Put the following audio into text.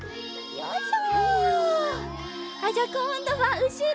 よいしょ。